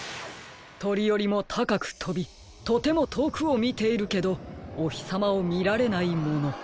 とりよりもたかくとびとてもとおくをみているけどおひさまをみられないもの。